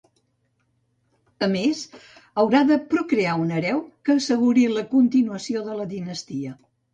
A més, haurà de procrear un hereu que asseguri la continuació de la dinastia.